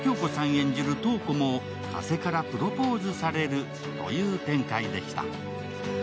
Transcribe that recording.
演じる瞳子も加瀬からプロポーズされるという展開でした。